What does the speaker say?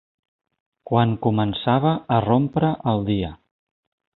Quan començava a rompre el dia.